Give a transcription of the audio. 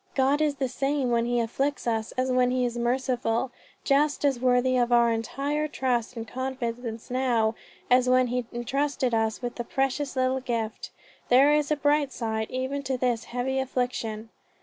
God is the same when he afflicts, as when he is merciful, just as worthy of our entire trust and confidence now, as when he entrusted us with the precious little gift. There is a bright side even to this heavy affliction."